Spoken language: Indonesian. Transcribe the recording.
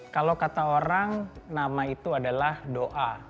kalau kata orang nama itu adalah doa